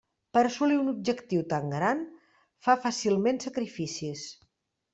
Per a assolir un objectiu tan gran, fa fàcilment sacrificis.